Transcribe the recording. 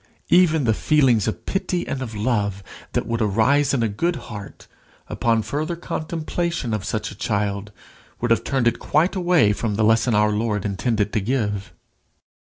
Even the feelings of pity and of love that would arise in a good heart upon further contemplation of such a child, would have turned it quite away from the lesson our Lord intended to give.